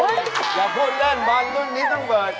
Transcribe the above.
อย่าพูดเล่นบอลรุ่นนี้ต้องเบิด